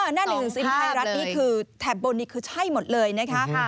หน้าหนึ่งซิมไทยรัฐนี่คือแถบบนนี่คือใช่หมดเลยนะคะ